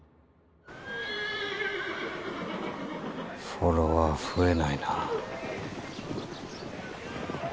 フォロワー増えないなぁ。